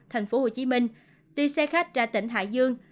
thành phố hồ chí minh đi xe khách ra tỉnh hải dương